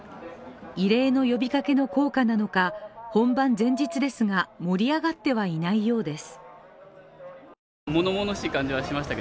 異例の呼びかけの効果なのか本番前日ですが、盛り上がってはいないようです。